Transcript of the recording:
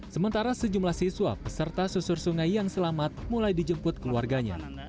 sementara sejumlah siswa peserta susur sungai yang selamat mulai dijemput keluarganya